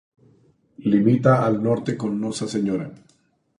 Limita al Norte con Nosa Sra.